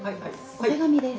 お手紙です。